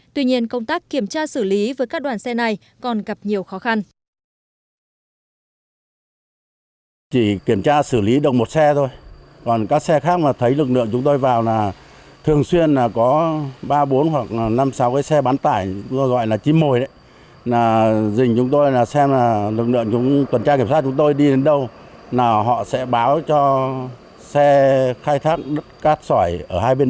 tuy nhiên công tác kiểm tra xử lý với các đoàn xe này còn gặp nhiều khó khăn